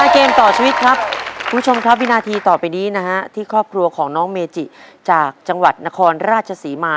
เกมต่อชีวิตครับคุณผู้ชมครับวินาทีต่อไปนี้นะฮะที่ครอบครัวของน้องเมจิจากจังหวัดนครราชศรีมา